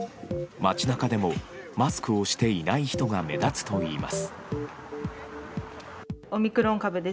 街中でも、マスクをしていない人が目立つといいます。